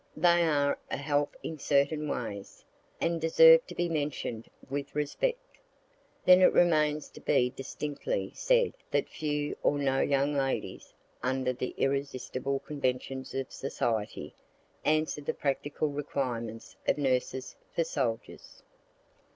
They are a help in certain ways, and deserve to be mention'd with respect. Then it remains to be distinctly said that few or no young ladies, under the irresistible conventions of society, answer the practical requirements of nurses for soldiers.